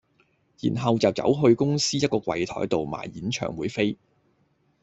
然後就走去公司一個櫃檯度買演唱會飛